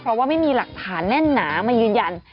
เพราะว่าไม่มีหลักฐานแน่นหนามายืนยัน